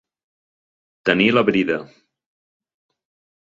Tenir la brida.